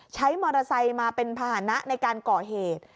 ใช้มอเตอร์ไซค์มาเป็นภาษณะในการก่อเหตุ